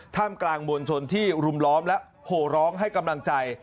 กลางมวลชนที่รุมล้อมและโหร้องให้กำลังใจ